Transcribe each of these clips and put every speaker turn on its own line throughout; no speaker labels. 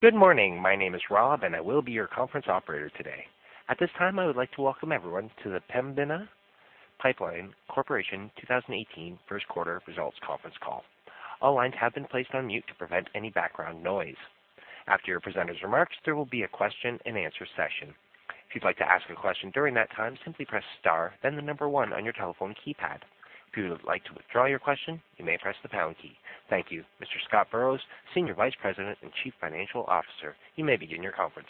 Good morning. My name is Rob, and I will be your conference operator today. At this time, I would like to welcome everyone to the Pembina Pipeline Corporation 2018 first quarter results conference call. All lines have been placed on mute to prevent any background noise. After your presenters' remarks, there will be a question and answer session. If you'd like to ask a question during that time, simply press star, then the number 1 on your telephone keypad. If you would like to withdraw your question, you may press the pound key. Thank you. Mr. Scott Burrows, Senior Vice President and Chief Financial Officer, you may begin your conference.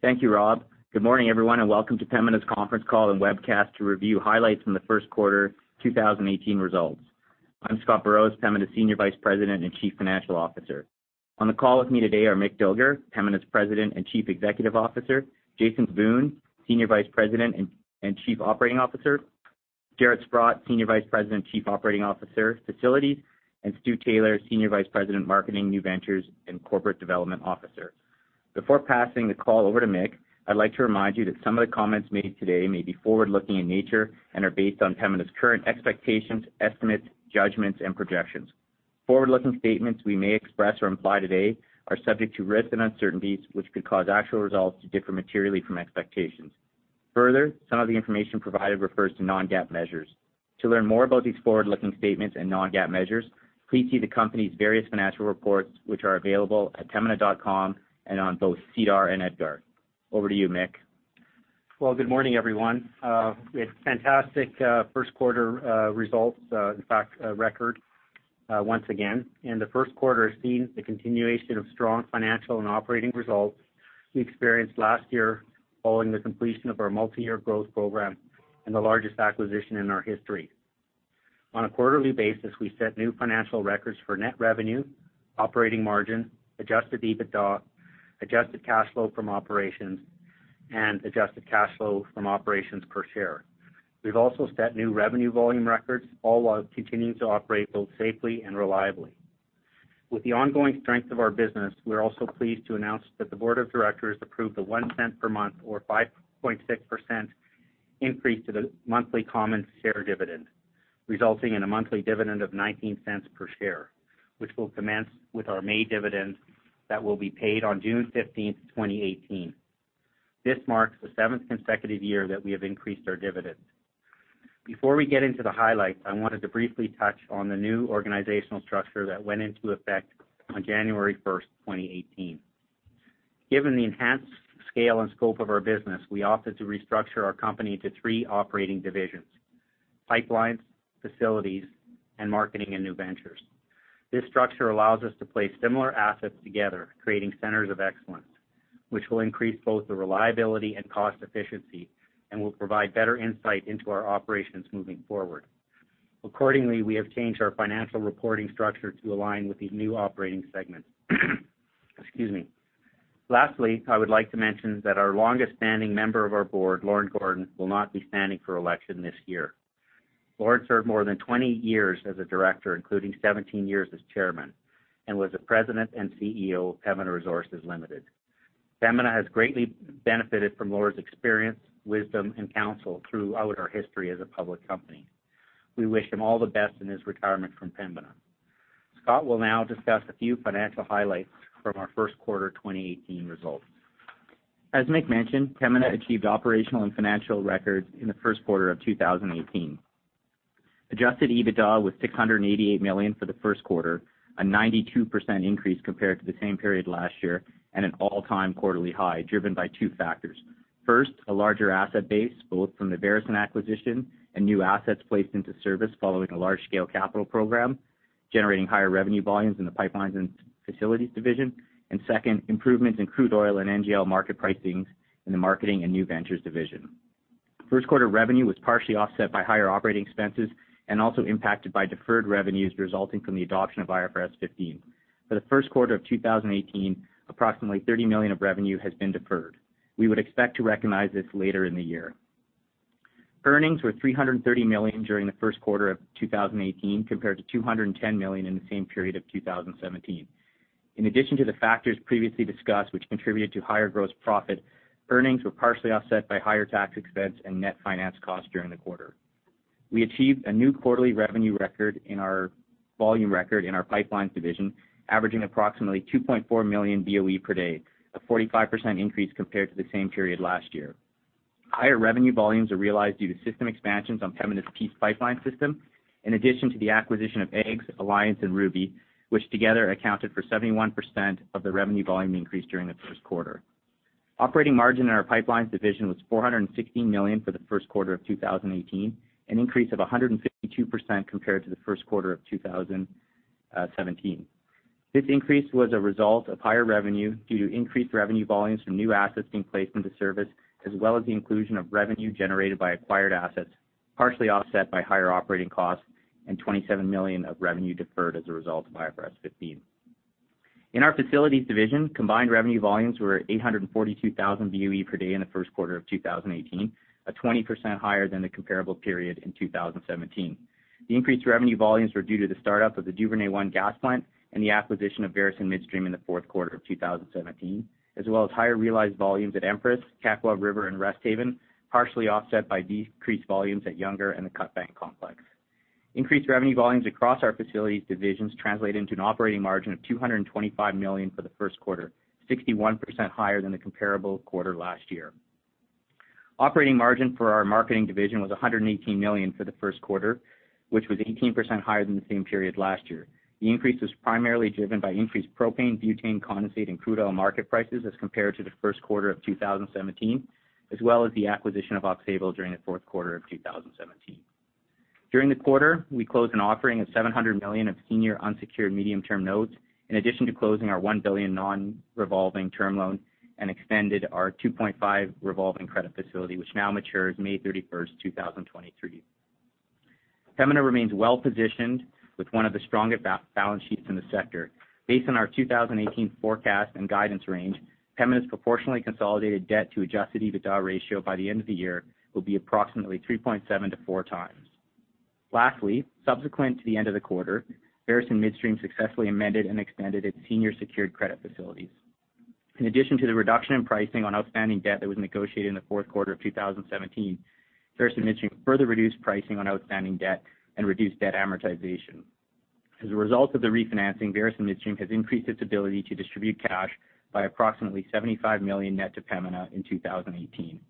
Thank you, Rob. Good morning, everyone, and welcome to Pembina's conference call and webcast to review highlights from the first quarter 2018 results. I'm Scott Burrows, Pembina's Senior Vice President and Chief Financial Officer. On the call with me today are Mick Dilger, Pembina's President and Chief Executive Officer; Jason Boone, Senior Vice President and Chief Operating Officer; Jaret Sprott, Senior Vice President, Chief Operating Officer, Facilities; and Stuart Taylor, Senior Vice President, Marketing, New Ventures, and Corporate Development Officer. Before passing the call over to Mick, I'd like to remind you that some of the comments made today may be forward-looking in nature and are based on Pembina's current expectations, estimates, judgments, and projections. Forward-looking statements we may express or imply today are subject to risks and uncertainties, which could cause actual results to differ materially from expectations. Further, some of the information provided refers to non-GAAP measures. To learn more about these forward-looking statements and non-GAAP measures, please see the company's various financial reports, which are available at pembina.com and on both SEDAR and EDGAR. Over to you, Mick.
Good morning, everyone. We had fantastic first quarter results. In fact, a record, once again. The first quarter has seen the continuation of strong financial and operating results we experienced last year following the completion of our multi-year growth program and the largest acquisition in our history. On a quarterly basis, we set new financial records for net revenue, operating margin, adjusted EBITDA, adjusted cash flow from operations, and adjusted cash flow from operations per share. We've also set new revenue volume records, all while continuing to operate both safely and reliably. With the ongoing strength of our business, we are also pleased to announce that the board of directors approved the 0.01 per month or 5.6% increase to the monthly common share dividend, resulting in a monthly dividend of 0.19 per share, which will commence with our May dividend that will be paid on June 15th, 2018. This marks the seventh consecutive year that we have increased our dividends. Before we get into the highlights, I wanted to briefly touch on the new organizational structure that went into effect on January 1st, 2018. Given the enhanced scale and scope of our business, we opted to restructure our company to three operating divisions, Pipelines, Facilities, and Marketing and New Ventures. This structure allows us to place similar assets together, creating centers of excellence, which will increase both the reliability and cost efficiency and will provide better insight into our operations moving forward. Accordingly, we have changed our financial reporting structure to align with these new operating segments. Excuse me. Lastly, I would like to mention that our longest-standing member of our board, Lorne Gordon, will not be standing for election this year. Lorne served more than 20 years as a director, including 17 years as chairman, and was the President and CEO of Pembina Resources Limited. Pembina has greatly benefited from Lorne's experience, wisdom, and counsel throughout our history as a public company. We wish him all the best in his retirement from Pembina. Scott will now discuss a few financial highlights from our first quarter 2018 results.
As Mick mentioned, Pembina achieved operational and financial records in the first quarter of 2018. Adjusted EBITDA was 688 million for the first quarter, a 92% increase compared to the same period last year and an all-time quarterly high, driven by two factors. First, a larger asset base, both from the Veresen acquisition and new assets placed into service following a large-scale capital program, generating higher revenue volumes in the Pipelines and Facilities division. Second, improvements in crude oil and NGL market pricing in the Marketing and New Ventures division. First quarter revenue was partially offset by higher operating expenses and also impacted by deferred revenues resulting from the adoption of IFRS 15. For the first quarter of 2018, approximately 30 million of revenue has been deferred. We would expect to recognize this later in the year. Earnings were 330 million during the first quarter of 2018, compared to 210 million in the same period of 2017. In addition to the factors previously discussed, which contributed to higher gross profit, earnings were partially offset by higher tax expense and net finance costs during the quarter. We achieved a new quarterly revenue record in our volume record in our Pipelines division, averaging approximately 2.4 million BOE per day, a 45% increase compared to the same period last year. Higher revenue volumes are realized due to system expansions on Pembina's Peace Pipeline system, in addition to the acquisition of AEGS, Alliance, and Ruby, which together accounted for 71% of the revenue volume increase during the first quarter. Operating margin in our Pipelines division was 416 million for the first quarter of 2018, an increase of 152% compared to the first quarter of 2017. This increase was a result of higher revenue due to increased revenue volumes from new assets being placed into service, as well as the inclusion of revenue generated by acquired assets, partially offset by higher operating costs and 27 million of revenue deferred as a result of IFRS 15. In our facilities division, combined revenue volumes were 842,000 BOE per day in the first quarter of 2018, 20% higher than the comparable period in 2017. The increased revenue volumes were due to the startup of the Duvernay I gas plant and the acquisition of Veresen Midstream in the fourth quarter of 2017, as well as higher realized volumes at Empress, Kakwa River, and Resthaven, partially offset by decreased volumes at Younger and the Cutbank Complex. Increased revenue volumes across our facilities divisions translate into an operating margin of 225 million for the first quarter, 61% higher than the comparable quarter last year. Operating margin for our marketing division was 118 million for the first quarter, which was 18% higher than the same period last year. The increase was primarily driven by increased propane, butane, condensate, and crude oil market prices as compared to the first quarter of 2017, as well as the acquisition of Oxbow during the fourth quarter of 2017. During the quarter, we closed an offering of 700 million of senior unsecured medium-term notes, in addition to closing our 1 billion non-revolving term loan and extended our 2.5 billion revolving credit facility, which now matures May 31, 2023. Pembina remains well-positioned with one of the strongest balance sheets in the sector. Based on our 2018 forecast and guidance range, Pembina's proportionally consolidated debt to adjusted EBITDA ratio by the end of the year will be approximately 3.7 to 4 times. Lastly, subsequent to the end of the quarter, Veresen Midstream successfully amended and extended its senior secured credit facilities. In addition to the reduction in pricing on outstanding debt that was negotiated in the fourth quarter of 2017, Veresen Midstream further reduced pricing on outstanding debt and reduced debt amortization. As a result of the refinancing, Veresen Midstream has increased its ability to distribute cash by approximately 75 million net to Pembina in 2018.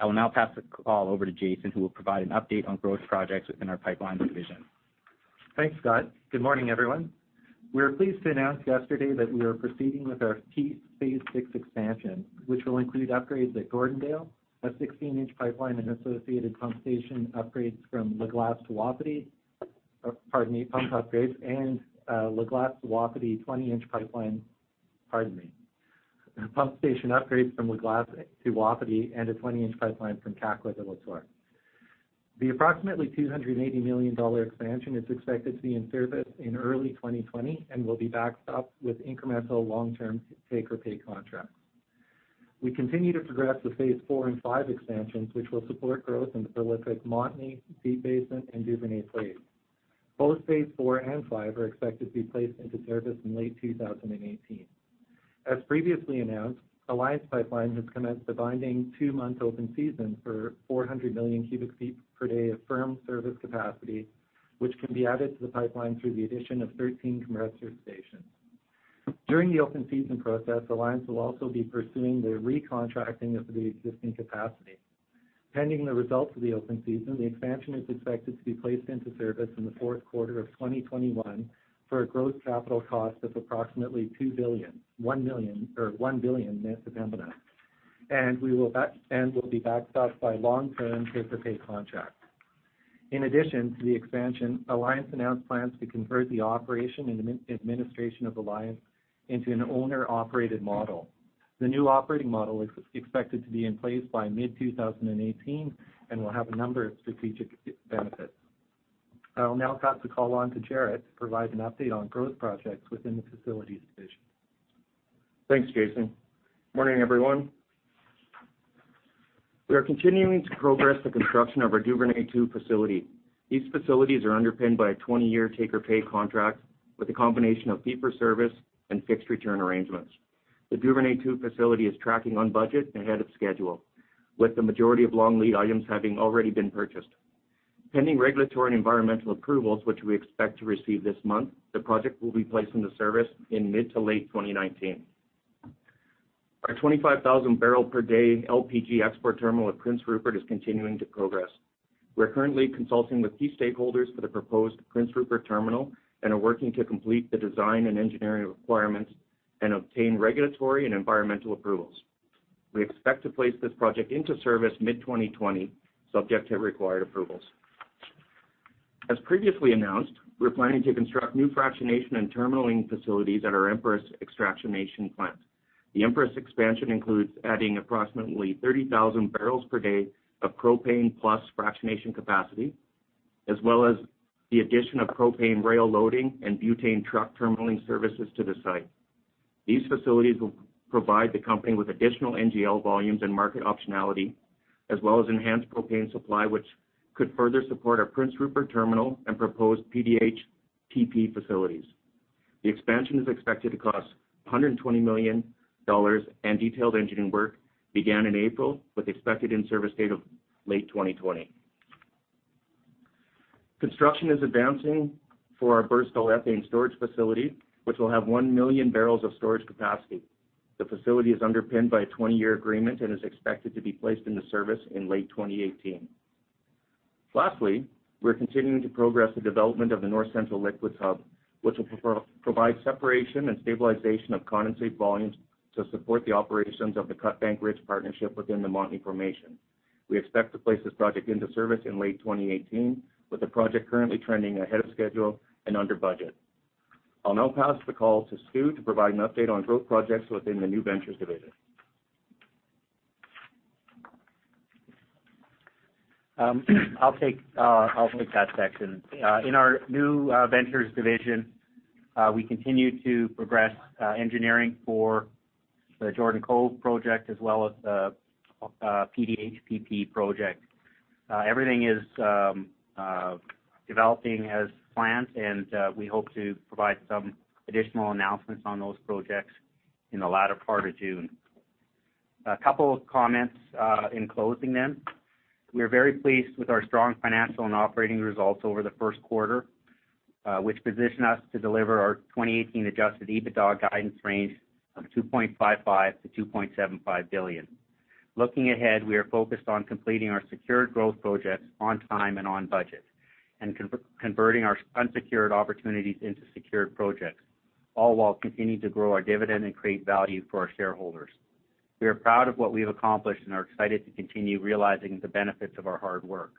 I will now pass the call over to Jason, who will provide an update on growth projects within our pipelines division.
Thanks, Scott. Good morning, everyone. We are pleased to announce yesterday that we are proceeding with our Peace Phase VI expansion, which will include upgrades at Gordondale, a 16-inch pipeline and associated pump station upgrades from La Glace to Wapiti, and a 20-inch pipeline from Kakwa to Lator. The approximately 280 million dollar expansion is expected to be in service in early 2020 and will be backed up with incremental long-term take-or-pay contracts. We continue to progress with Phase IV and V expansions, which will support growth in the prolific Montney, Deep Basin, and Duvernay plays. Both Phase IV and V are expected to be placed into service in late 2018. As previously announced, Alliance Pipeline has commenced a binding two-month open season for 400 million cubic feet per day of firm service capacity, which can be added to the pipeline through the addition of 13 compressor stations. During the open-season process, Alliance will also be pursuing the recontracting of the existing capacity. Pending the results of the open season, the expansion is expected to be placed into service in the fourth quarter of 2021 for a gross capital cost of approximately 2 billion, [1 million] or 1 billion net to Pembina, and will be backed up by long-term take-or-pay contracts. In addition to the expansion, Alliance announced plans to convert the operation and administration of Alliance into an owner-operated model. The new operating model is expected to be in place by mid-2018 and will have a number of strategic benefits. I will now pass the call on to Jaret to provide an update on growth projects within the facilities division.
Thanks, Jason. Morning, everyone. We are continuing to progress the construction of our Duvernay II facility. These facilities are underpinned by a 20-year take-or-pay contract with a combination of fee-for-service and fixed return arrangements. The Duvernay II facility is tracking on budget and ahead of schedule, with the majority of long-lead items having already been purchased. Pending regulatory and environmental approvals, which we expect to receive this month, the project will be placed into service in mid to late 2019. Our 25,000-barrel-per-day LPG export terminal at Prince Rupert is continuing to progress. We're currently consulting with key stakeholders for the proposed Prince Rupert terminal and are working to complete the design and engineering requirements and obtain regulatory and environmental approvals. We expect to place this project into service mid-2020, subject to required approvals. As previously announced, we're planning to construct new fractionation and terminaling facilities at our Empress Extraction plant. The Empress expansion includes adding approximately 30,000 barrels per day of propane plus fractionation capacity, as well as the addition of propane rail loading and butane truck terminaling services to the site. These facilities will provide the company with additional NGL volumes and market optionality, as well as enhanced propane supply, which could further support our Prince Rupert terminal and proposed PDH/PP facilities. The expansion is expected to cost 120 million dollars, and detailed engineering work began in April, with expected in-service date of late 2020. Construction is advancing for our Burstall Ethane storage facility, which will have 1 million barrels of storage capacity. The facility is underpinned by a 20-year agreement and is expected to be placed into service in late 2018. Lastly, we're continuing to progress the development of the North Central Liquids Hub, which will provide separation and stabilization of condensate volumes to support the operations of the Cutbank Ridge partnership within the Montney formation. We expect to place this project into service in late 2018, with the project currently trending ahead of schedule and under budget. I'll now pass the call to Stu to provide an update on growth projects within the new ventures division.
I'll take that section. In our new ventures division, we continue to progress engineering for the Jordan Cove project as well as the PDH/PP project. Everything is developing as planned, and we hope to provide some additional announcements on those projects in the latter part of June.
A couple of comments in closing then. We are very pleased with our strong financial and operating results over the first quarter, which position us to deliver our 2018 adjusted EBITDA guidance range of 2.55 billion-2.75 billion. Looking ahead, we are focused on completing our secured growth projects on time and on budget, and converting our unsecured opportunities into secured projects, all while continuing to grow our dividend and create value for our shareholders. We are proud of what we've accomplished and are excited to continue realizing the benefits of our hard work.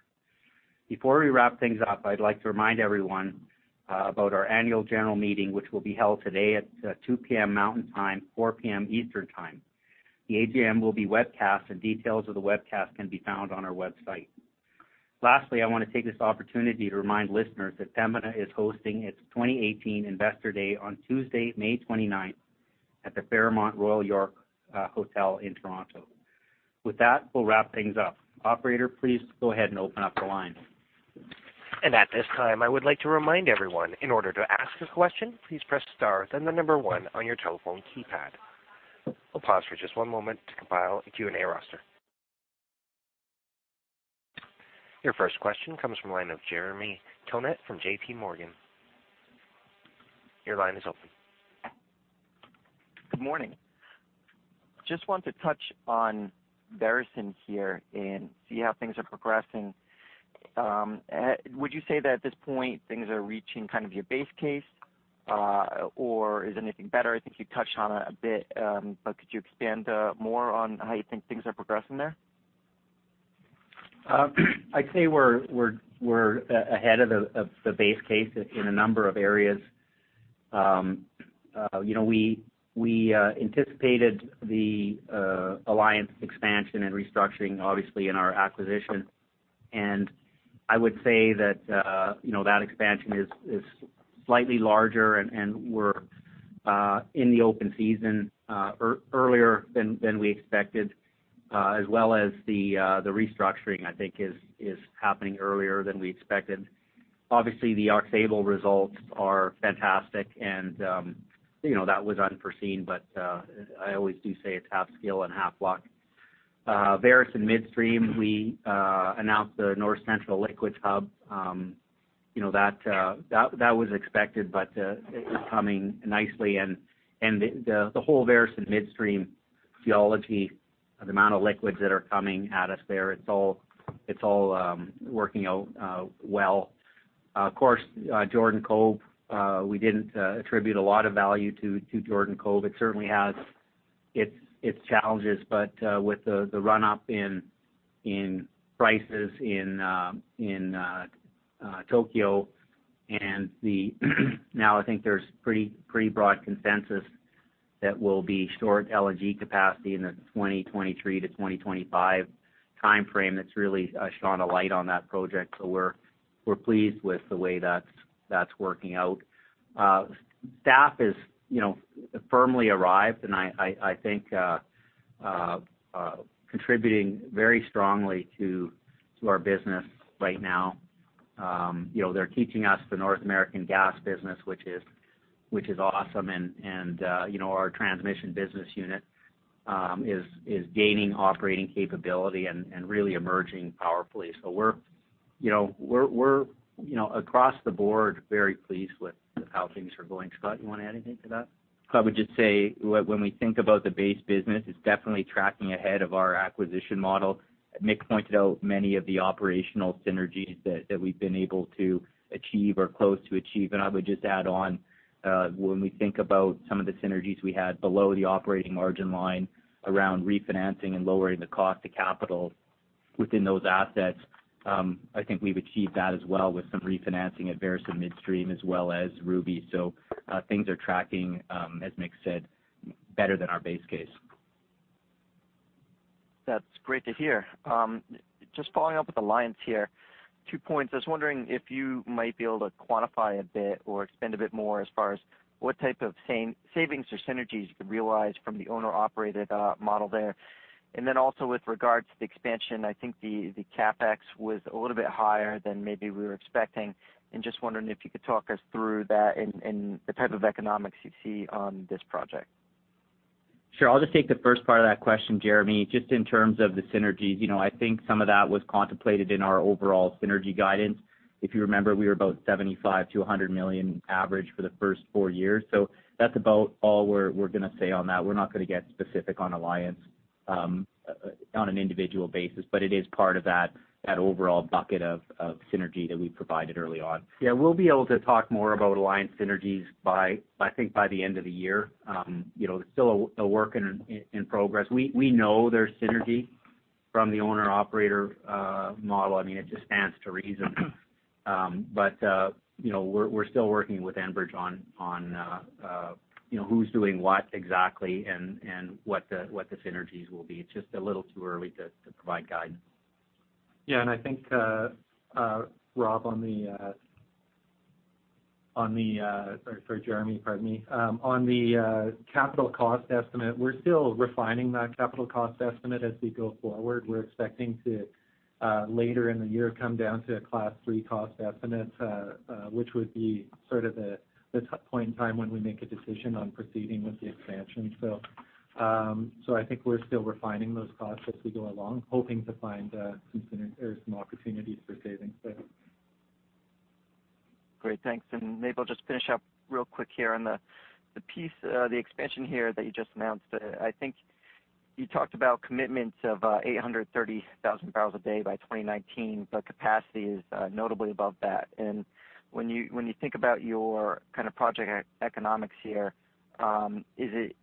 Before we wrap things up, I'd like to remind everyone about our annual general meeting, which will be held today at 2:00 P.M. Mountain Time, 4:00 P.M. Eastern Time. The AGM will be webcast, and details of the webcast can be found on our website. Lastly, I want to take this opportunity to remind listeners that Pembina is hosting its 2018 Investor Day on Tuesday, May 29th at the Fairmont Royal York Hotel in Toronto. With that, we'll wrap things up. Operator, please go ahead and open up the line.
At this time, I would like to remind everyone, in order to ask a question, please press star, then the number one on your telephone keypad. We will pause for just one moment to compile a Q&A roster. Your first question comes from the line of Jeremy Tonet from J.P. Morgan. Your line is open.
Good morning. Just want to touch on Veresen here and see how things are progressing. Would you say that at this point, things are reaching kind of your base case? Or is anything better? I think you touched on it a bit, but could you expand more on how you think things are progressing there?
I'd say we're ahead of the base case in a number of areas. We anticipated the Alliance expansion and restructuring, obviously, in our acquisition. I would say that expansion is slightly larger, and we're in the open season earlier than we expected. As well as the restructuring, I think, is happening earlier than we expected. Obviously, the Aux Sable results are fantastic, and that was unforeseen, but I always do say it's half skill and half luck. Veresen Midstream, we announced the North Central Liquids Hub. That was expected, but it is coming nicely. The whole Veresen Midstream geology, the amount of liquids that are coming at us there, it's all working out well. Of course, Jordan Cove, we didn't attribute a lot of value to Jordan Cove. It certainly has its challenges, with the run-up in prices in Tokyo and now I think there's pretty broad consensus that we'll be short LNG capacity in the 2023 to 2025 timeframe, that's really shone a light on that project. We're pleased with the way that's working out. Staff has firmly arrived, I think contributing very strongly to our business right now. They're teaching us the North American gas business, which is awesome, our transmission business unit is gaining operating capability and really emerging powerfully. We're, across the board, very pleased with how things are going. Scott, you want to add anything to that?
I would just say, when we think about the base business, it's definitely tracking ahead of our acquisition model. Mick pointed out many of the operational synergies that we've been able to achieve or close to achieve. I would just add on, when we think about some of the synergies we had below the operating margin line around refinancing and lowering the cost to capital within those assets, I think we've achieved that as well with some refinancing at Veresen Midstream as well as Ruby. Things are tracking, as Mick said, better than our base case.
That's great to hear. Just following up with Alliance here, two points. I was wondering if you might be able to quantify a bit or expand a bit more as far as what type of savings or synergies you could realize from the owner-operated model there. Then also with regards to the expansion, I think the CapEx was a little bit higher than maybe we were expecting. Just wondering if you could talk us through that and the type of economics you see on this project.
Sure. I'll just take the first part of that question, Jeremy. Just in terms of the synergies, I think some of that was contemplated in our overall synergy guidance. If you remember, we were about 75 million-100 million average for the first four years. That's about all we're going to say on that. We're not going to get specific on Alliance on an individual basis, but it is part of that overall bucket of synergy that we provided early on.
Yeah, we'll be able to talk more about Alliance synergies, I think, by the end of the year. It's still a work in progress. We know there's synergy from the owner-operator model. I mean, it just stands to reason. We're still working with Enbridge on who's doing what exactly and what the synergies will be. It's just a little too early to provide guidance.
I think, Rob, or Jeremy, pardon me. On the capital cost estimate, we're still refining that capital cost estimate as we go forward. We're expecting to later in the year, come down to a Class 3 cost estimate, which would be the point in time when we make a decision on proceeding with the expansion. I think we're still refining those costs as we go along, hoping to find some opportunities for savings there.
Great. Thanks. Maybe I'll just finish up real quick here on the expansion here that you just announced. I think you talked about commitments of 830,000 barrels a day by 2019, but capacity is notably above that. When you think about your project economics here, is it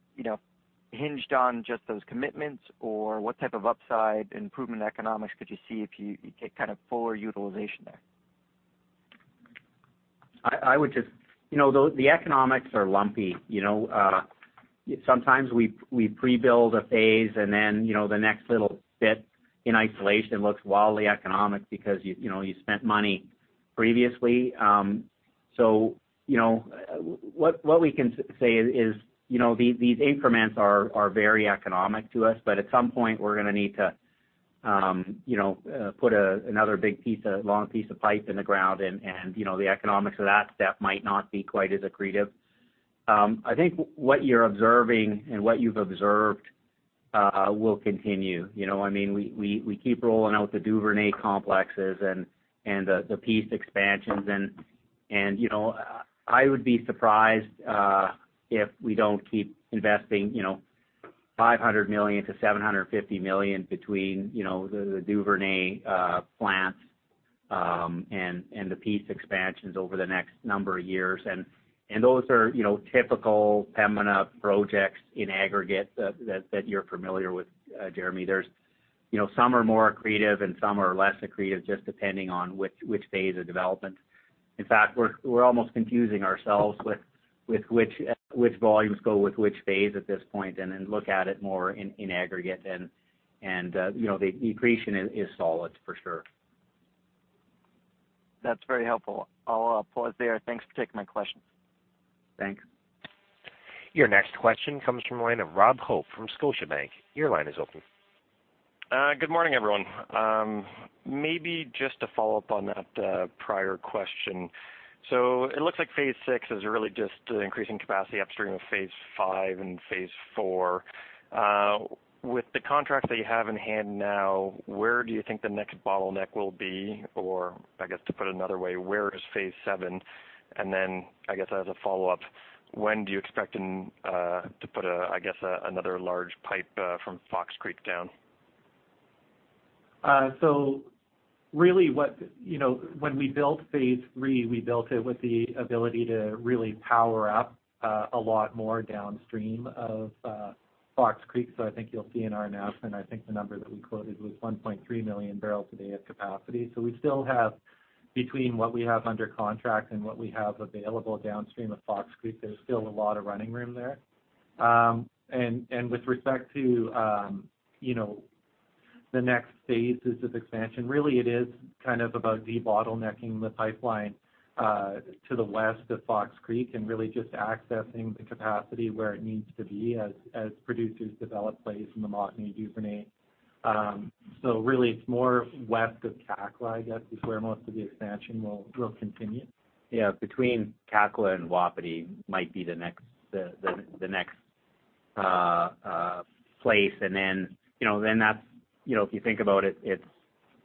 hinged on just those commitments? Or what type of upside improvement economics could you see if you get fuller utilization there?
The economics are lumpy. Sometimes we pre-build a phase. Then the next little bit in isolation looks wildly economic because you spent money previously. What we can say is these increments are very economic to us, but at some point, we're going to need to put another big long piece of pipe in the ground. The economics of that step might not be quite as accretive. I think what you're observing and what you've observed will continue. We keep rolling out the Duvernay complexes and the Peace expansions. I would be surprised if we don't keep investing 500 million-750 million between the Duvernay plant and the Peace expansions over the next number of years. Those are typical Pembina projects in aggregate that you're familiar with, Jeremy. Some are more accretive, and some are less accretive, just depending on which phase of development. In fact, we're almost confusing ourselves with which volumes go with which phase at this point. Then look at it more in aggregate. The accretion is solid, for sure.
That's very helpful. I'll pause there. Thanks for taking my question.
Thanks.
Your next question comes from the line of Robert Hope from Scotiabank. Your line is open.
Good morning, everyone. Maybe just to follow up on that prior question. It looks like Phase 6 is really just increasing capacity upstream of Phase 5 and Phase 4. With the contracts that you have in hand now, where do you think the next bottleneck will be? Or I guess, to put it another way, where is Phase 7? I guess as a follow-up, when do you expect to put another large pipe from Fox Creek down?
Really, when we built Phase 3, we built it with the ability to really power up a lot more downstream of Fox Creek. I think you'll see in our announcement, I think the number that we quoted was 1.3 million barrels a day at capacity. Between what we have under contract and what we have available downstream of Fox Creek, there's still a lot of running room there. With respect to the next phases of expansion, really, it is about de-bottlenecking the pipeline to the west of Fox Creek and really just accessing the capacity where it needs to be as producers develop plays in the Montney Duvernay. Really, it's more west of Kakwa, I guess, is where most of the expansion will continue.
Yeah. Between Kakwa and Wapiti might be the next place. If you think about it,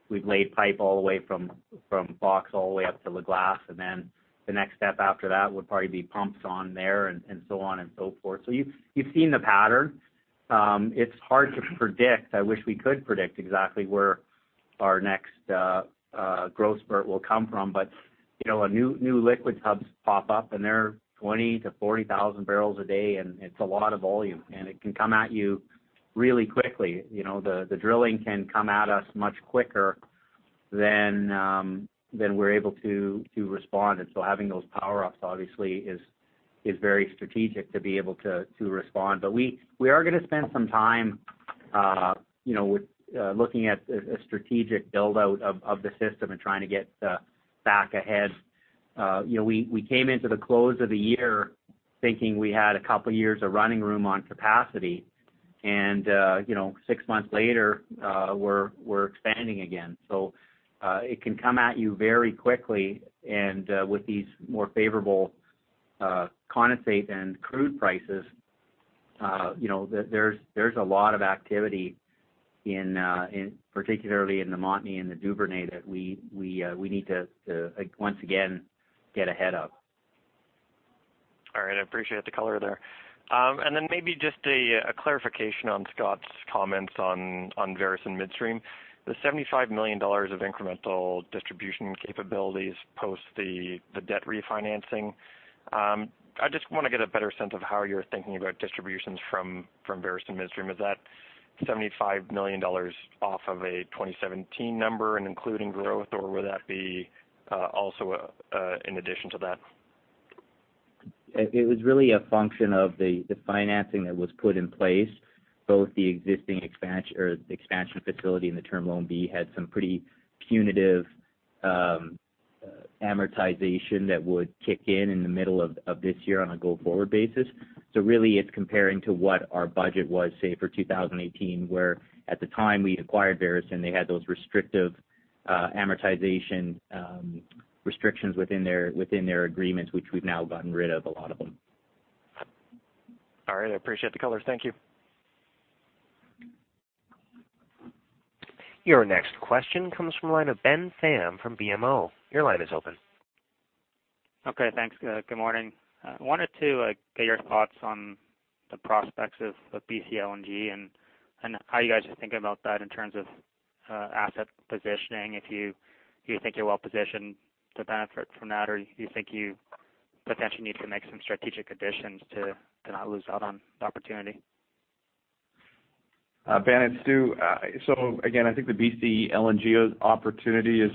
we've laid pipe all the way from Fox all the way up to La Glace, the next step after that would probably be pumps on there and so on and so forth. You've seen the pattern. It's hard to predict. I wish we could predict exactly where our next growth spurt will come from, but new liquids hubs pop up, and they're 20,000 to 40,000 barrels a day, and it's a lot of volume, and it can come at you really quickly. The drilling can come at us much quicker than we're able to respond. Having those power-ups obviously is very strategic to be able to respond. We are going to spend some time with looking at a strategic build-out of the system and trying to get back ahead. We came into the close of the year thinking we had a couple of years of running room on capacity, 6 months later, we're expanding again. It can come at you very quickly. With these more favorable condensate and crude prices, there's a lot of activity, particularly in the Montney and the Duvernay that we need to, once again, get ahead of.
All right. I appreciate the color there. Maybe just a clarification on Scott's comments on Veresen Midstream. The 75 million dollars of incremental distribution capabilities post the debt refinancing. I just want to get a better sense of how you're thinking about distributions from Veresen Midstream. Is that 75 million dollars off of a 2017 number and including growth, or would that be also in addition to that?
It was really a function of the financing that was put in place, both the existing expansion facility and the Term Loan B had some pretty punitive amortization that would kick in in the middle of this year on a go-forward basis. Really, it's comparing to what our budget was, say, for 2018, where at the time we acquired Veresen, they had those restrictive amortization restrictions within their agreements, which we've now gotten rid of a lot of them.
All right. I appreciate the color. Thank you.
Your next question comes from the line of Ben Pham from BMO. Your line is open.
Okay. Thanks. Good morning. I wanted to get your thoughts on the prospects of BC LNG and how you guys are thinking about that in terms of asset positioning. If you think you're well-positioned to benefit from that, or do you think you potentially need to make some strategic additions to not lose out on the opportunity?
Ben, it's Stu. Again, I think the BC LNG opportunity is,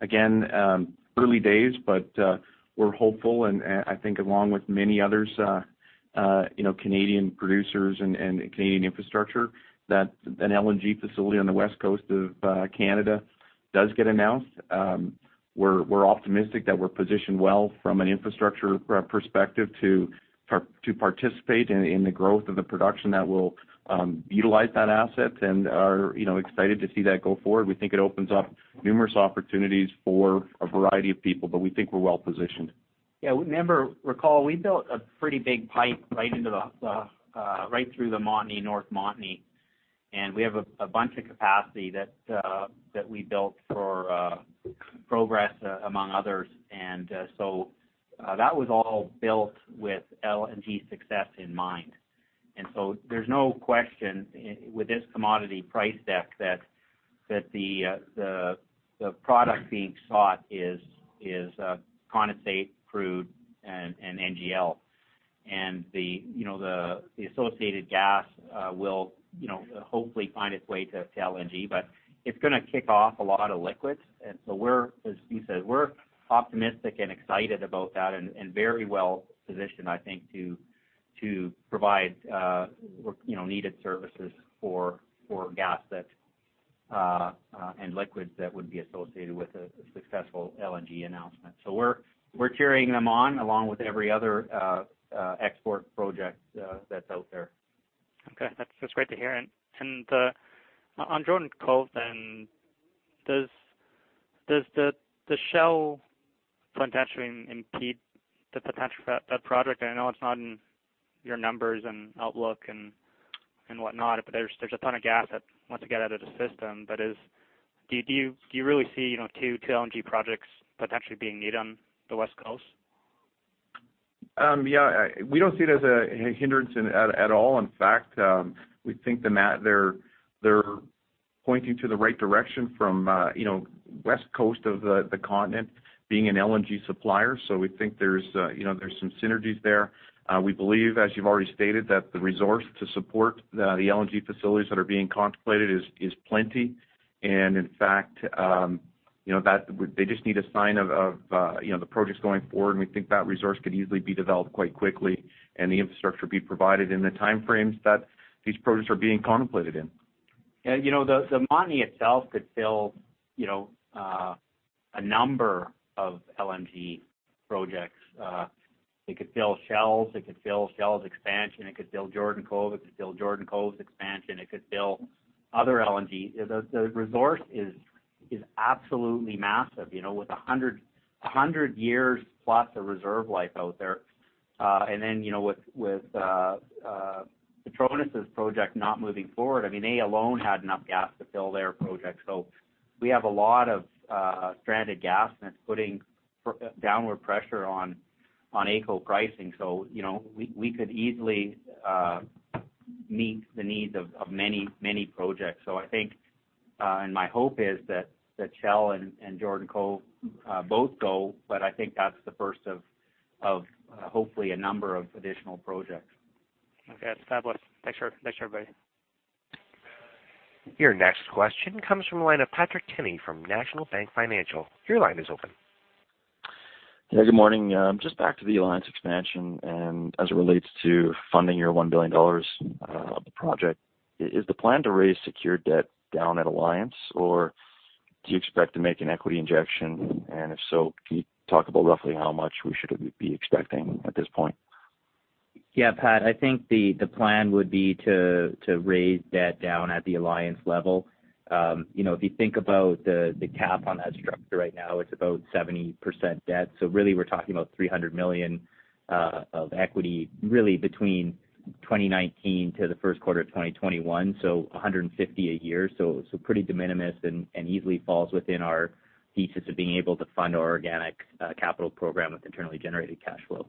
again, early days. We're hopeful and I think along with many others, Canadian producers and Canadian infrastructure, that an LNG facility on the West Coast of Canada does get announced. We're optimistic that we're positioned well from an infrastructure perspective to participate in the growth of the production that will utilize that asset and are excited to see that go forward. We think it opens up numerous opportunities for a variety of people, but we think we're well-positioned.
Remember, recall, we built a pretty big pipe right through the Montney, North Montney, and we have a bunch of capacity that we built for Progress, among others. That was all built with LNG success in mind. There's no question with this commodity price deck that the product being sought is condensate crude and NGL, and the associated gas will hopefully find its way to LNG. It's going to kick off a lot of liquids, and so as Stu said, we're optimistic and excited about that and very well-positioned, I think, to provide needed services for gas and liquids that would be associated with a successful LNG announcement. We're cheering them on, along with every other export project that's out there.
Okay. That's great to hear. On Jordan Cove then, does the Shell potentially impede the potential for that project? I know it's not in your numbers and outlook and whatnot, but there's a ton of gas that wants to get out of the system, that is. Do you really see two LNG projects potentially being made on the West Coast?
We don't see it as a hindrance at all. In fact, we think they're pointing to the right direction from West Coast of the continent being an LNG supplier. We think there's some synergies there. We believe, as you've already stated, that the resource to support the LNG facilities that are being contemplated is plenty. In fact, they just need a sign of the projects going forward, and we think that resource could easily be developed quite quickly and the infrastructure be provided in the time frames that these projects are being contemplated in.
The Montney itself could fill a number of LNG projects. It could fill Shell's, it could fill Shell's expansion, it could fill Jordan Cove, it could fill Jordan Cove's expansion, it could fill other LNG. The resource is absolutely massive with 100 years plus of reserve life out there. With Petronas' project not moving forward, I mean, they alone had enough gas to fill their project. We have a lot of stranded gas, and it's putting downward pressure on AECO pricing. We could easily meet the needs of many, many projects. I think, and my hope is that Shell and Jordan Cove both go, but I think that's the first of hopefully a number of additional projects.
Okay. That's fabulous. Thanks everybody.
Your next question comes from the line of Patrick Kenny from National Bank Financial. Your line is open.
Yeah, good morning. Just back to the Alliance Pipeline expansion and as it relates to funding your 1 billion dollars of the project. Is the plan to raise secured debt down at Alliance Pipeline, or do you expect to make an equity injection? If so, can you talk about roughly how much we should be expecting at this point?
Yeah, Pat, I think the plan would be to raise debt down at the Alliance Pipeline level. If you think about the cap on that structure right now, it's about 70% debt. Really we're talking about 300 million of equity, really between 2019 to the first quarter of 2021, 150 a year. Pretty de minimis and easily falls within our thesis of being able to fund our organic capital program with internally generated cash flow.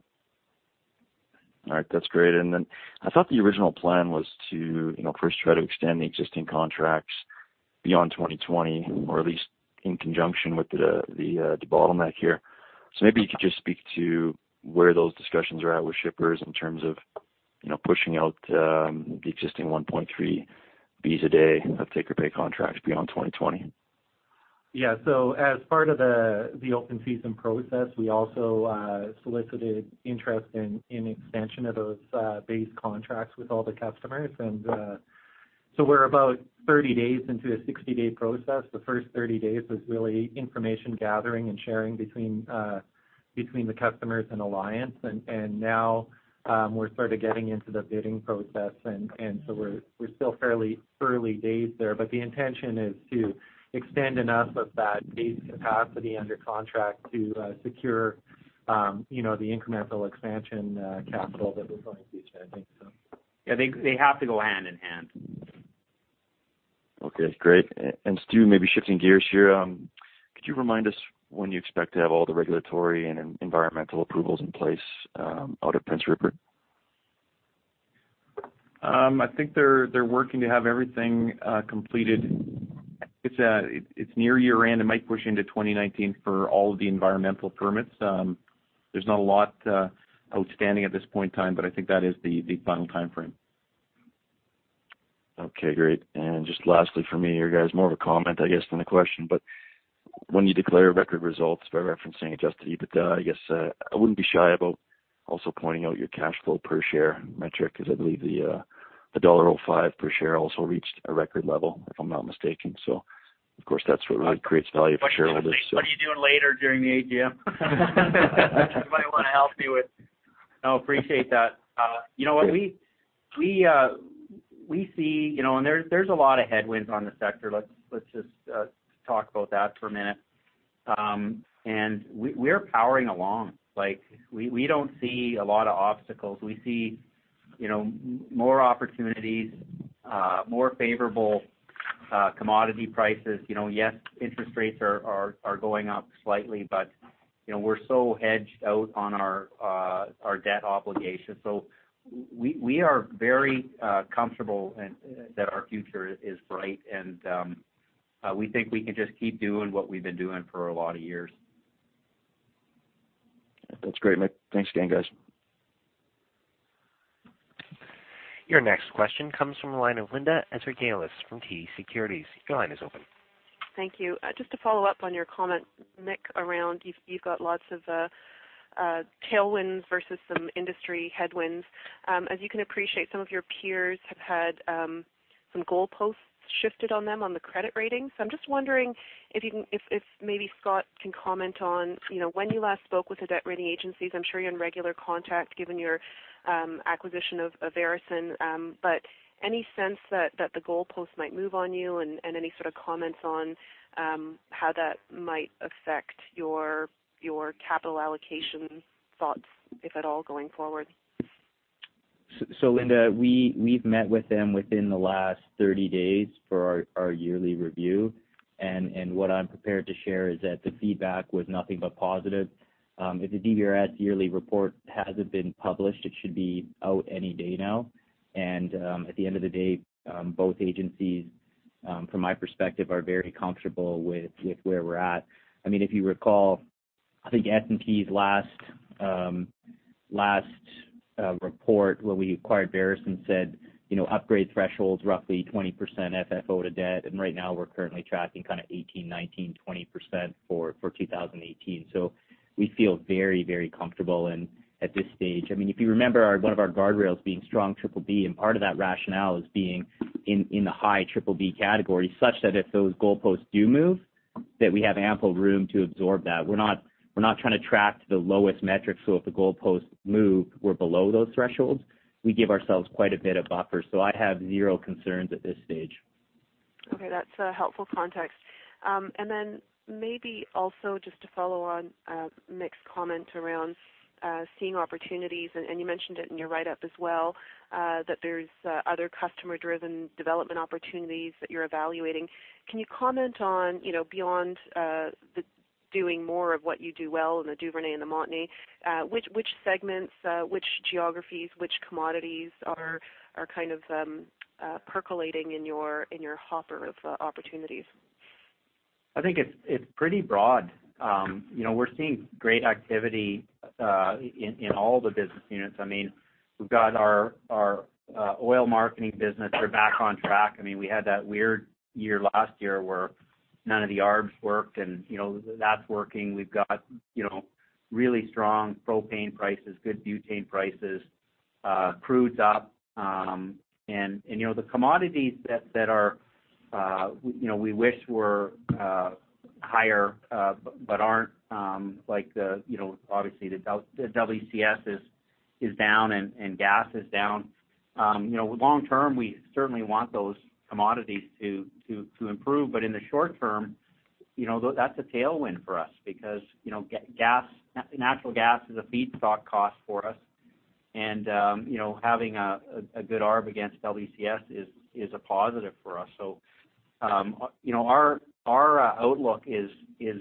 All right. That's great. I thought the original plan was to first try to extend the existing contracts beyond 2020, or at least in conjunction with the bottleneck here. Maybe you could just speak to where those discussions are at with shippers in terms of pushing out the existing 1.3 Bcf a day of take-or-pay contracts beyond 2020.
Yeah. As part of the open season process, we also solicited interest in expansion of those base contracts with all the customers and We're about 30 days into a 60-day process. The first 30 days was really information gathering and sharing between the customers and Alliance. Now we're sort of getting into the bidding process, we're still fairly early days there. The intention is to extend enough of that base capacity under contract to secure the incremental expansion capital that we're going to be spending.
Yeah. They have to go hand in hand.
Okay, great. Stu, maybe shifting gears here. Could you remind us when you expect to have all the regulatory and environmental approvals in place out at Prince Rupert?
I think they're working to have everything completed. It's near year-end. It might push into 2019 for all of the environmental permits. There's not a lot outstanding at this point in time. I think that is the final timeframe.
Okay, great. Just lastly from me here, guys, more of a comment, I guess, than a question. When you declare record results by referencing adjusted EBITDA, I guess I wouldn't be shy about also pointing out your cash flow per share metric, because I believe the dollar 1.05 per share also reached a record level, if I'm not mistaken. Of course, that's what creates value for shareholders.
What are you doing later during the AGM? You might want to help me with No. Appreciate that. You know what? We see, there's a lot of headwinds on the sector. Let's just talk about that for a minute. We're powering along. We don't see a lot of obstacles. We see more opportunities, more favorable commodity prices. Yes, interest rates are going up slightly. We're so hedged out on our debt obligations. We are very comfortable that our future is bright and we think we can just keep doing what we've been doing for a lot of years.
That's great. Thanks again, guys.
Your next question comes from the line of Linda Ezergailis from TD Securities. Your line is open.
Thank you. Just to follow up on your comment, Mick, around you've got lots of tailwinds versus some industry headwinds. As you can appreciate, some of your peers have had some goalposts shifted on them on the credit rating. I'm just wondering if maybe Scott can comment on when you last spoke with the debt rating agencies. I'm sure you're in regular contact given your acquisition of Veresen. Any sense that the goalposts might move on you and any sort of comments on how that might affect your capital allocation thoughts, if at all, going forward?
Linda, we've met with them within the last 30 days for our yearly review, what I'm prepared to share is that the feedback was nothing but positive. If the DBRS yearly report hasn't been published, it should be out any day now. At the end of the day, both agencies, from my perspective, are very comfortable with where we're at. If you recall, I think S&P's last report when we acquired Veresen said upgrade threshold's roughly 20% FFO to debt, and right now we're currently tracking kind of 18, 19, 20% for 2018. We feel very, very comfortable at this stage. If you remember one of our guardrails being strong BBB, and part of that rationale is being in the high BBB category such that if those goalposts do move, that we have ample room to absorb that. We're not trying to track to the lowest metric. If the goalposts move, we're below those thresholds. We give ourselves quite a bit of buffer. I have zero concerns at this stage.
Okay. That's a helpful context. Then maybe also just to follow on Mick's comment around seeing opportunities, and you mentioned it in your write-up as well, that there's other customer-driven development opportunities that you're evaluating. Can you comment on, beyond the doing more of what you do well in the Duvernay and the Montney, which segments, which geographies, which commodities are kind of percolating in your hopper of opportunities?
I think it's pretty broad. We're seeing great activity in all the business units. We've got our oil marketing business. We're back on track. We had that weird year last year where none of the ARBs worked and that's working. We've got really strong propane prices, good butane prices, crude's up. The commodities that we wish were higher but aren't, like obviously the WCS is down and gas is down. Long term, we certainly want those commodities to improve, but in the short term, that's a tailwind for us because natural gas is a feedstock cost for us and having a good ARB against WCS is a positive for us. Our outlook is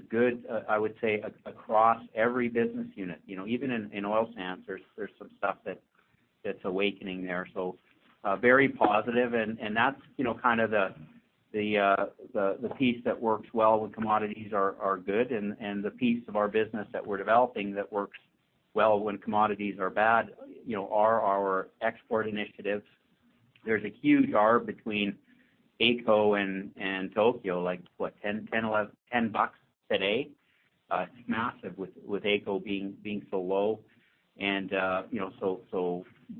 good, I would say, across every business unit. Even in oil sands, there's some stuff that's awakening there. Very positive, and that's kind of the piece that works well when commodities are good, and the piece of our business that we're developing that works well when commodities are bad are our export initiatives. There's a huge ARB between AECO and Tokyo, like what, 10 bucks today? It's massive with AECO being so low.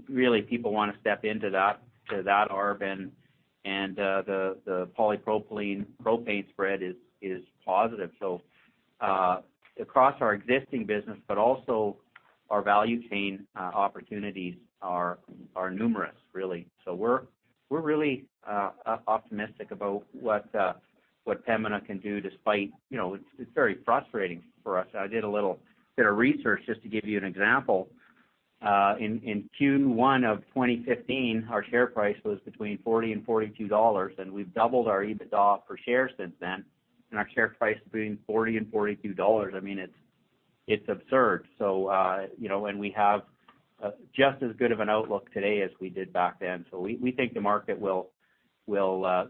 Really people want to step into that ARB, and the polypropylene propane spread is positive. Across our existing business, but also our value chain opportunities are numerous, really. We're really optimistic about what Pembina can do. It's very frustrating for us. I did a little bit of research just to give you an example. In Q1 of 2015, our share price was between 40 and 42 dollars, and we've doubled our EBITDA per share since then. Our share price is between 40 and 42 dollars. It's absurd. We have just as good of an outlook today as we did back then. We think the market will, as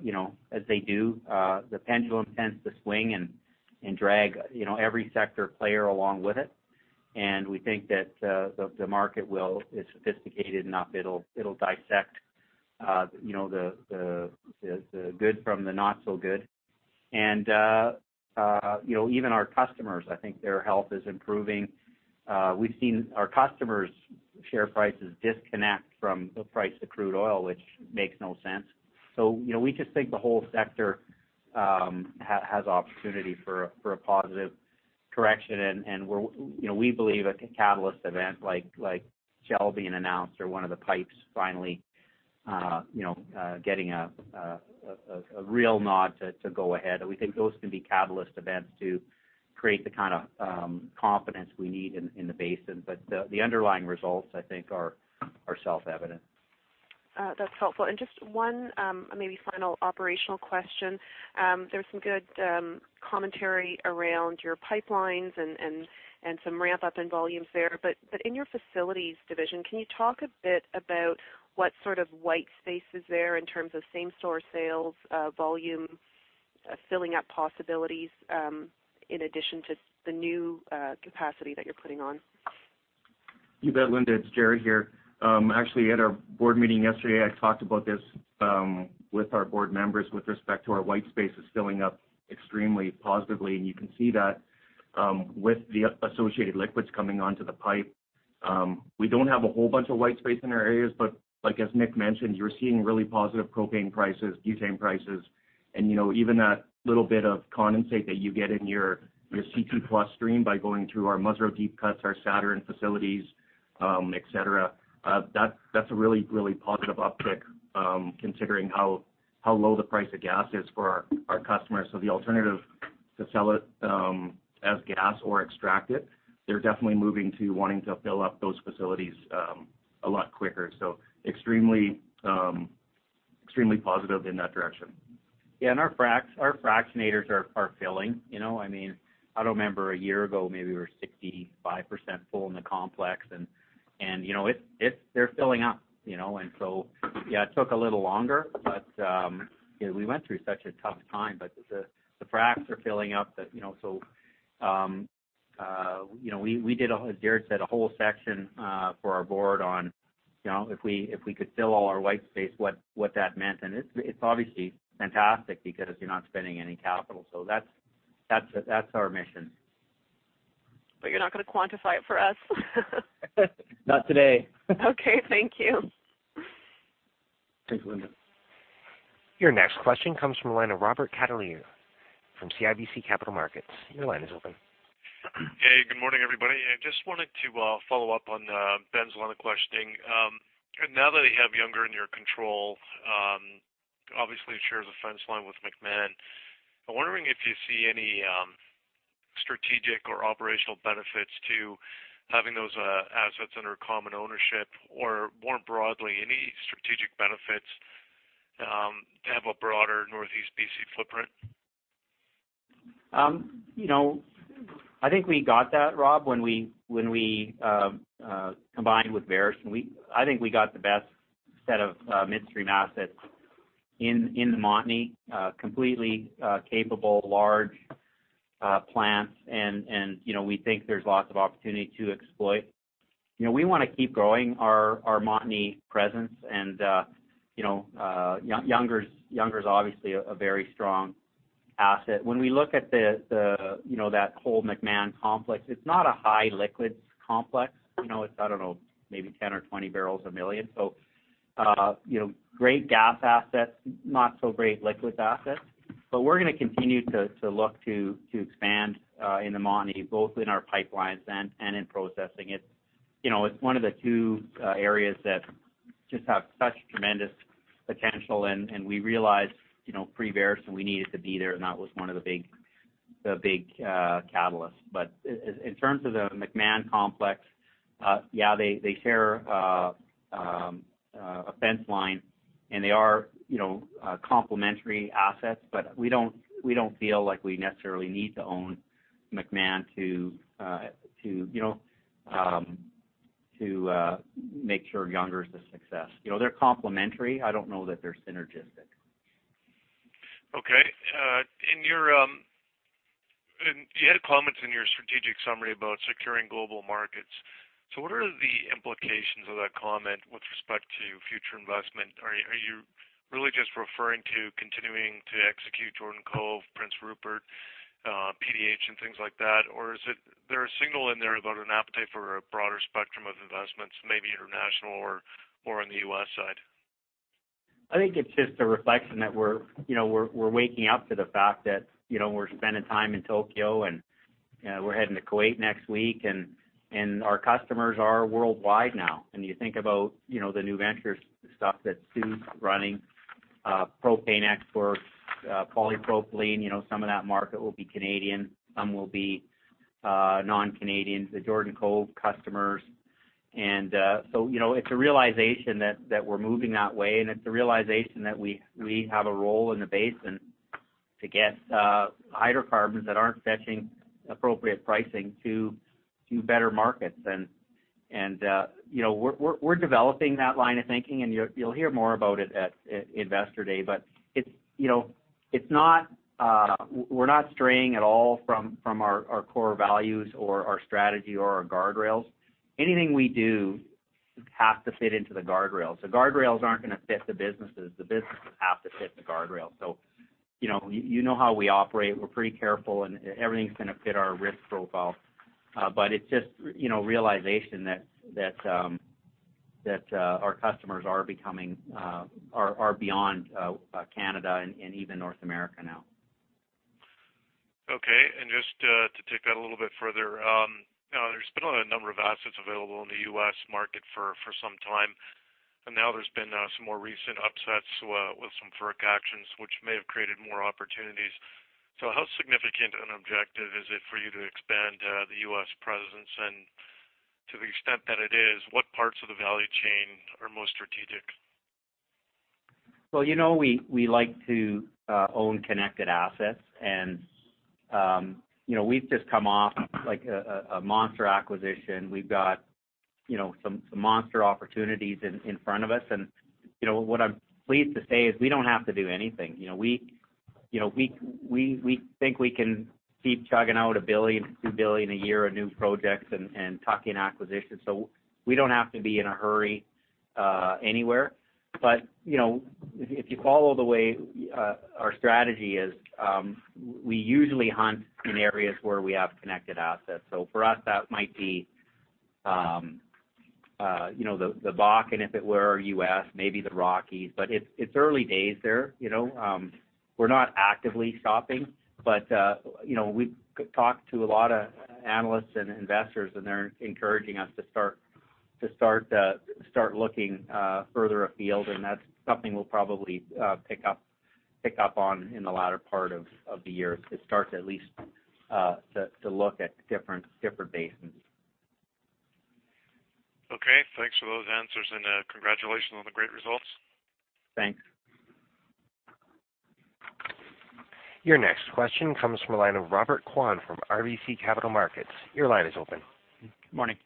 they do, the pendulum tends to swing and drag every sector player along with it. We think that the market is sophisticated enough it'll dissect the good from the not so good. Even our customers, I think their health is improving. We've seen our customers' share prices disconnect from the price of crude oil, which makes no sense. We just think the whole sector has opportunity for a positive correction, and we believe a catalyst event like Shell being announced or one of the pipes finally getting a real nod to go ahead. We think those can be catalyst events to create the kind of confidence we need in the basin. The underlying results, I think, are self-evident.
That's helpful. Just one maybe final operational question. There's some good commentary around your pipelines and some ramp-up in volumes there. In your facilities division, can you talk a bit about what sort of white space is there in terms of same-store sales volume, filling up possibilities, in addition to the new capacity that you're putting on?
You bet, Linda, it's Jaret here. Actually, at our board meeting yesterday, I talked about this with our board members with respect to our white spaces filling up extremely positively. You can see that with the associated liquids coming onto the pipe. We don't have a whole bunch of white space in our areas, but as Mick mentioned, you're seeing really positive propane prices, butane prices, and even that little bit of condensate that you get in your C3+ stream by going through our Musreau deep cuts, our Saturn facilities, et cetera. That's a really positive uptick considering how low the price of gas is for our customers. The alternative to sell it as gas or extract it, they're definitely moving to wanting to fill up those facilities a lot quicker. Extremely positive in that direction.
Our fractionators are filling. I remember a year ago, maybe we were 65% full in the complex and they're filling up. It took a little longer, but we went through such a tough time. The fracs are filling up. As Jaret said, a whole section for our board on if we could fill all our white space, what that meant. It's obviously fantastic because you're not spending any capital. That's our mission.
You're not going to quantify it for us?
Not today.
Okay. Thank you.
Thanks, Linda.
Your next question comes from the line of Robert Catellier from CIBC Capital Markets. Your line is open.
Hey, good morning, everybody. I just wanted to follow up on Ben's line of questioning. Now that you have Younger in your control, obviously it shares a fence line with McMahon. I'm wondering if you see any strategic or operational benefits to having those assets under common ownership, or more broadly, any strategic benefits to have a broader Northeast B.C. footprint?
I think we got that, Rob, when we combined with Veresen. I think we got the best set of midstream assets in the Montney, completely capable large plants and we think there's lots of opportunity to exploit. We want to keep growing our Montney presence and Younger obviously a very strong asset. When we look at that whole McMahon complex, it's not a high liquids complex. It's, I don't know, maybe 10 or 20 barrels a million. Great gas assets, not so great liquids assets. We're going to continue to look to expand in the Montney, both in our pipelines and in processing it. It's one of the two areas that just have such tremendous potential, and we realized, pre-Veresen, we needed to be there, and that was one of the big catalysts. In terms of the McMahon complex, yeah, they share a fence line and they are complementary assets, but we don't feel like we necessarily need to own McMahon to make sure Younger is a success. They're complementary. I don't know that they're synergistic.
Okay. You had comments in your strategic summary about securing global markets. What are the implications of that comment with respect to future investment? Are you really just referring to continuing to execute Jordan Cove, Prince Rupert, PDH, and things like that? Or is there a signal in there about an appetite for a broader spectrum of investments, maybe international or on the U.S. side?
I think it's just a reflection that we're waking up to the fact that we're spending time in Tokyo and we're heading to Kuwait next week, our customers are worldwide now. You think about the new ventures stuff that Stu's running, propane exports, polypropylene, some of that market will be Canadian, some will be non-Canadian, the Jordan Cove customers. It's a realization that we're moving that way, it's a realization that we have a role in the basin to get hydrocarbons that aren't fetching appropriate pricing to better markets. We're developing that line of thinking, you'll hear more about it at Investor Day. We're not straying at all from our core values or our strategy or our guardrails. Anything we do has to fit into the guardrails. The guardrails aren't going to fit the businesses. The businesses have to fit the guardrails. You know how we operate. We're pretty careful, everything's going to fit our risk profile. It's just realization that our customers are beyond Canada and even North America now.
Okay, just to take that a little bit further, there's been a number of assets available in the U.S. market for some time, now there's been some more recent upsets with some FERC actions which may have created more opportunities. How significant an objective is it for you to expand the U.S. presence? To the extent that it is, what parts of the value chain are most strategic?
Well, we like to own connected assets. We've just come off a monster acquisition. We've got some monster opportunities in front of us. What I'm pleased to say is we don't have to do anything. We think we can keep chugging out 1 billion-2 billion a year of new projects and talking acquisitions. We don't have to be in a hurry anywhere. If you follow the way our strategy is, we usually hunt in areas where we have connected assets. For us, that might be the Bakken if it were U.S., maybe the Rockies. It's early days there. We're not actively shopping. We've talked to a lot of analysts and investors. They're encouraging us to start looking further afield. That's something we'll probably pick up on in the latter part of the year to start at least to look at different basins.
Okay. Thanks for those answers. Congratulations on the great results.
Thanks.
Your next question comes from the line of Robert Kwan from RBC Capital Markets. Your line is open.
Morning.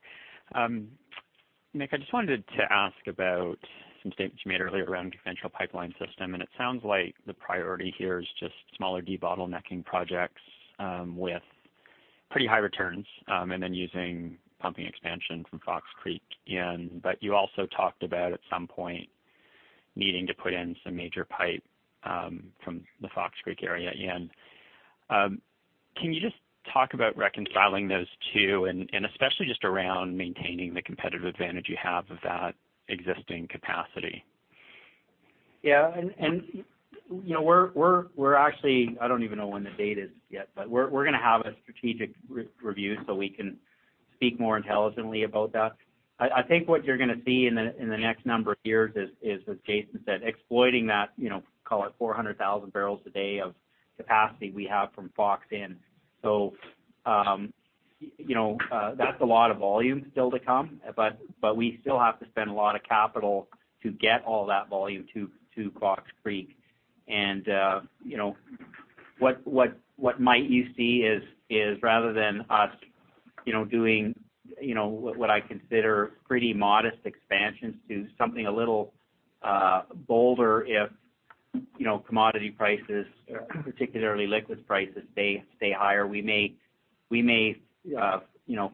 Mick, I just wanted to ask about some statements you made earlier around the potential pipeline system. It sounds like the priority here is just smaller debottlenecking projects with pretty high returns and then using pumping expansion from Fox Creek in. You also talked about at some point needing to put in some major pipe from the Fox Creek area in. Can you just talk about reconciling those two and especially just around maintaining the competitive advantage you have of that existing capacity?
Yeah. I don't even know when the date is yet. We're going to have a strategic review so we can speak more intelligently about that. I think what you're going to see in the next number of years is, as Jason said, exploiting that, call it 400,000 barrels a day of capacity we have from Fox in. That's a lot of volume still to come, but we still have to spend a lot of capital to get all that volume to Fox Creek. What might you see is rather than us doing what I consider pretty modest expansions to something a little bolder if commodity prices, particularly liquids prices, stay higher, we may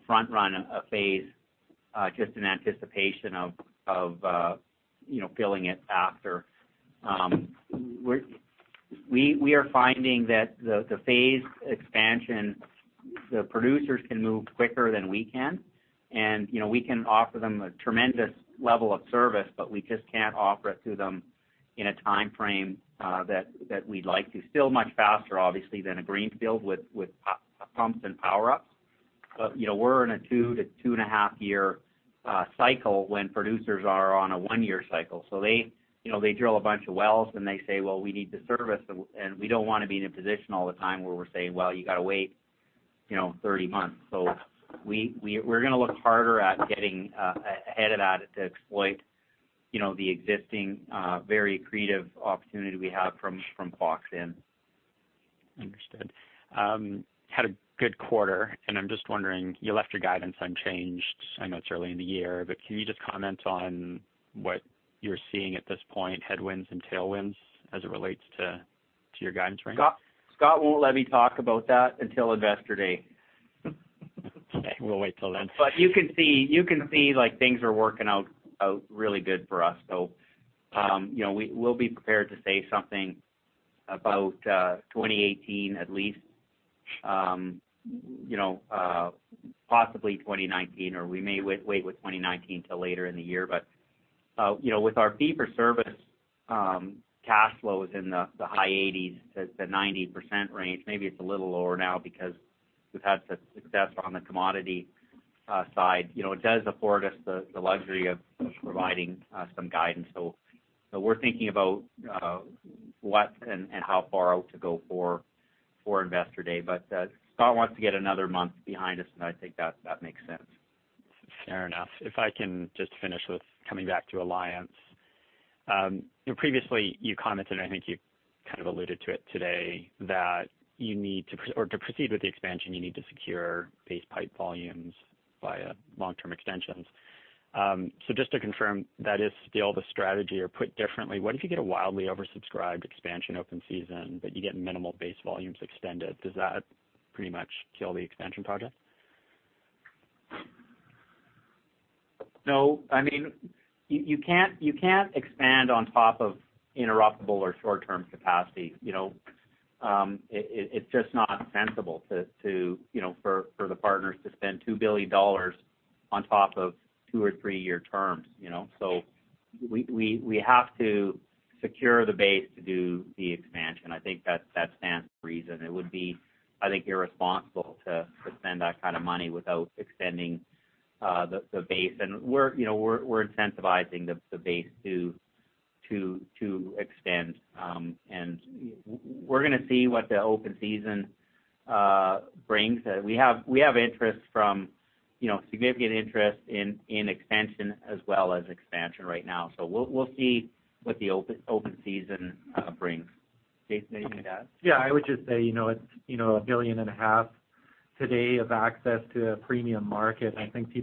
front-run a phase just in anticipation of filling it faster. We are finding that the phased expansion, the producers can move quicker than we can. We can offer them a tremendous level of service, but we just can't offer it to them in a timeframe that we'd like to. Still much faster, obviously, than a greenfield with pumps and power up. We're in a 2 to two-and-a-half-year cycle when producers are on a 1-year cycle. They drill a bunch of wells, and they say, "Well, we need the service." We don't want to be in a position all the time where we're saying, "Well, you got to wait 30 months." We're going to look harder at getting ahead of that to exploit the existing very accretive opportunity we have from Fox in.
Understood. Had a good quarter. I'm just wondering, you left your guidance unchanged. I know it's early in the year, but can you just comment on what you're seeing at this point, headwinds and tailwinds, as it relates to your guidance frame
Scott won't let me talk about that until Investor Day.
Okay, we'll wait till then.
You can see things are working out really good for us. We'll be prepared to say something about 2018 at least. Possibly 2019, or we may wait with 2019 till later in the year. With our fee-for-service cash flows in the high 80s to the 90% range, maybe it's a little lower now because we've had success on the commodity side. It does afford us the luxury of providing some guidance. We're thinking about what and how far out to go for Investor Day. Scott wants to get another month behind us, and I think that makes sense.
Fair enough. If I can just finish with coming back to Alliance. Previously, you commented, and I think you kind of alluded to it today, that to proceed with the expansion, you need to secure base pipe volumes via long-term extensions. Just to confirm, that is still the strategy? Put differently, what if you get a wildly oversubscribed expansion open season, but you get minimal base volumes extended? Does that pretty much kill the expansion project?
No. You can't expand on top of interruptible or short-term capacity. It's just not sensible for the partners to spend 2 billion dollars on top of two- or three-year terms. We have to secure the base to do the expansion. I think that stands to reason. It would be, I think, irresponsible to spend that kind of money without extending the base. We're incentivizing the base to extend. We're going to see what the open season brings. We have significant interest in expansion as well as expansion right now. We'll see what the open season brings. Jason, anything to add?
I would just say, it's 1.5 billion today of access to a premium market, and I think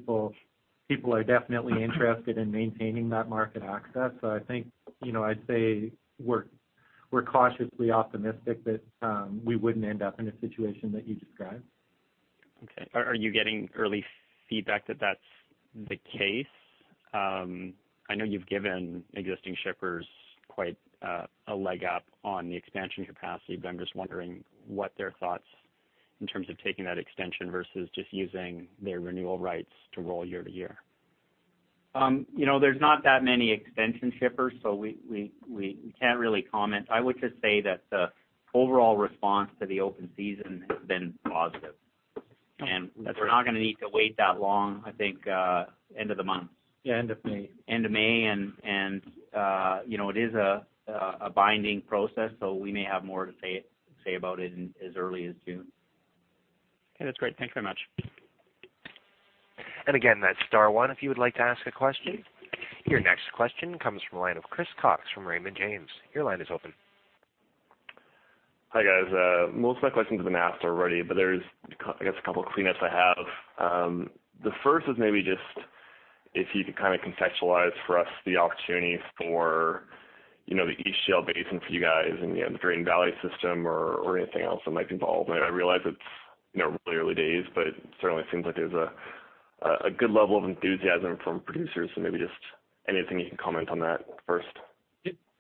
people are definitely interested in maintaining that market access. I think, I'd say we're cautiously optimistic that we wouldn't end up in a situation that you described.
Okay. Are you getting early feedback that that's the case? I know you've given existing shippers quite a leg up on the expansion capacity, I'm just wondering what their thoughts in terms of taking that extension versus just using their renewal rights to roll year-to-year.
There's not that many extension shippers, we can't really comment. I would just say that the overall response to the open season has been positive. We're not going to need to wait that long, I think, end of the month.
Yeah, end of May.
End of May. It is a binding process. We may have more to say about it in as early as June.
Okay. That's great. Thank you very much.
Again, that's star one if you would like to ask a question. Your next question comes from the line of Chris Cox from Raymond James. Your line is open.
Hi, guys. Most of my questions have been asked already, but there's a couple cleanups I have. The first is maybe just if you could kind of contextualize for us the opportunity for the East Shale Basin for you guys and the Drayton Valley system or anything else that might be involved. I realize it's really early days, but it certainly seems like there's a good level of enthusiasm from producers. Maybe just anything you can comment on that first.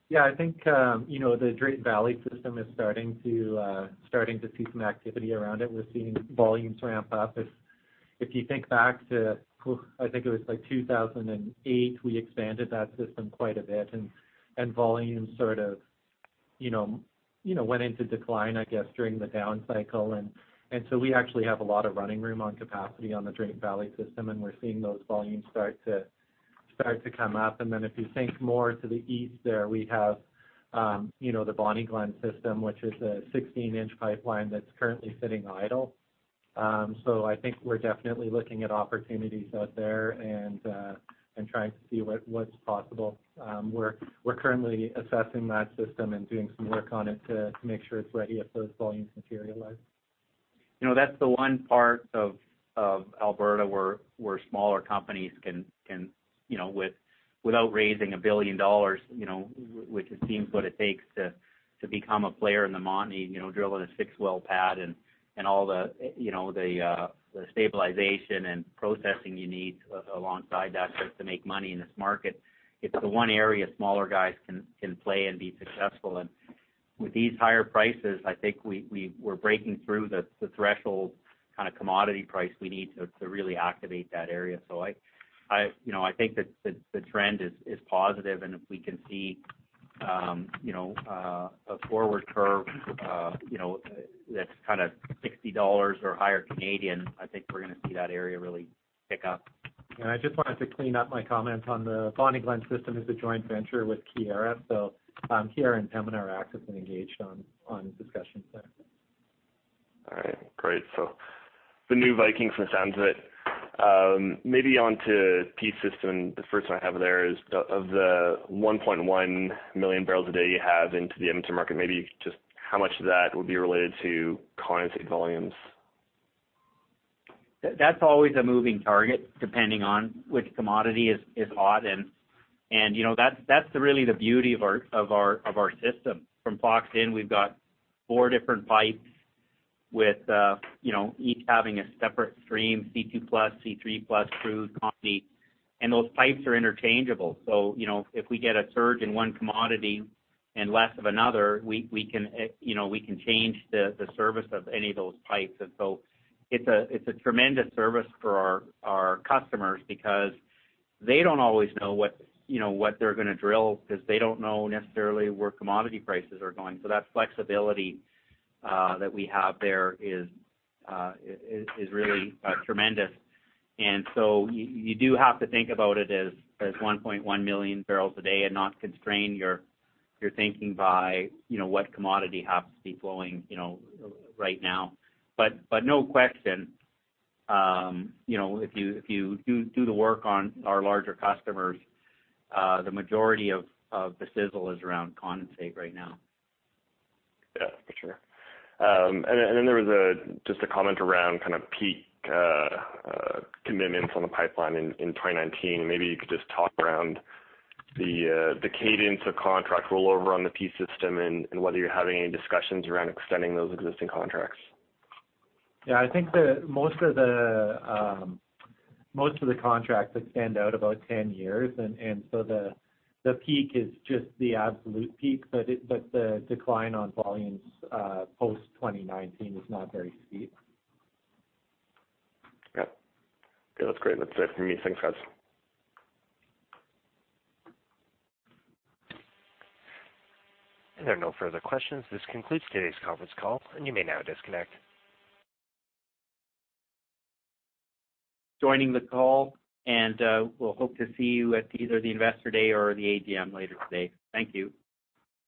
Yeah, the Drayton Valley system is starting to see some activity around it. We're seeing volumes ramp up. If you think back to 2008, we expanded that system quite a bit and volumes sort of went into decline during the down cycle. We actually have a lot of running room on capacity on the Drayton Valley system, and we're seeing those volumes start to come up. If you think more to the east there, we have the Bonny Glen system, which is a 16-inch pipeline that's currently sitting idle. We're definitely looking at opportunities out there and trying to see what's possible. We're currently assessing that system and doing some work on it to make sure it's ready if those volumes materialize.
That's the one part of Alberta where smaller companies can, without raising 1 billion dollars, which it seems what it takes to become a player in the Montney, drilling a six-well pad and all the stabilization and processing you need alongside that just to make money in this market. It's the one area smaller guys can play and be successful in. With these higher prices, we're breaking through the threshold commodity price we need to really activate that area. The trend is positive, and if we can see a forward curve that's 60 dollars or higher, we're going to see that area really pick up.
I just wanted to clean up my comment on the Bonny Glen system is a joint venture with Keyera. Keyera and Pembina are active and engaged on discussions there.
All right. Great, the new Viking from the sounds of it. Maybe onto Peace Pipeline system, the first one I have there is, of the 1.1 million barrels a day you have into the Edmonton market, maybe just how much of that would be related to condensate volumes?
That's always a moving target, depending on which commodity is hot. That's really the beauty of our system. From Fox Creek, we've got four different pipes with each having a separate stream, C2+, C3+, crude, condensate. Those pipes are interchangeable. If we get a surge in one commodity and less of another, we can change the service of any of those pipes. It's a tremendous service for our customers, because they don't always know what they're going to drill because they don't know necessarily where commodity prices are going. That flexibility that we have there is really tremendous. You do have to think about it as 1.1 million barrels a day and not constrain your thinking by what commodity has to be flowing right now. No question, if you do the work on our larger customers, the majority of the sizzle is around condensate right now.
Yeah, for sure. There was just a comment around peak commitments on the pipeline in 2019. Maybe you could just talk around the cadence of contract rollover on the P system and whether you're having any discussions around extending those existing contracts.
Yeah, I think most of the contracts extend out about 10 years. The peak is just the absolute peak. The decline on volumes post 2019 is not very steep.
Yep. Okay. That's great. That's it for me. Thanks, guys.
There are no further questions. This concludes today's conference call. You may now disconnect.
Joining the call. We'll hope to see you at either the Investor Day or the AGM later today. Thank you.